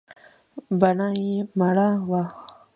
بڼه يې مړه وه .